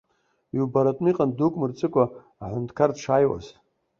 Иубаратәы иҟан дук мырҵыкәа аҳәынҭқар дшааиуаз.